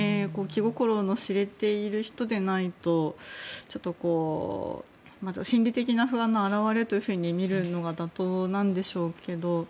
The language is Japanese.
気心の知れている人でないと心理的な不安の表れとみるのが妥当なんでしょうけど。